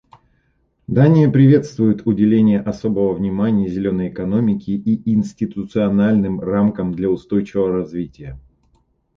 Дания приветствует уделение особого внимания «зеленой» экономике и институциональным рамкам для устойчивого развития.